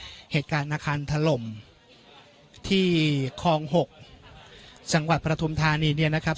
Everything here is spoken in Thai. เหตุการณ์อาคารถล่มที่คลอง๖จังหวัดประทุมธานีเนี่ยนะครับ